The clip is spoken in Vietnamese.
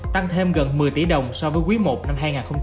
tăng thêm gần một mươi tỷ đồng so với quý i năm hai nghìn hai mươi ba